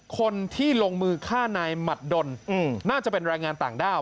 คนที่ลงมือฆ่านายหมัดดนน่าจะเป็นแรงงานต่างด้าว